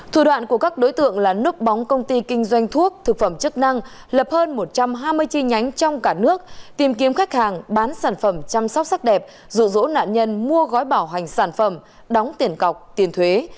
thủ đoạn của các đối tượng là núp bóng công ty kinh doanh thuốc thực phẩm chức năng lập hơn một trăm hai mươi chi nhánh trong cả nước tìm kiếm khách hàng bán sản phẩm chăm sóc sắc đẹp dụ dỗ nạn nhân mua gói bảo hành sản phẩm đóng tiền cọc tiền thuế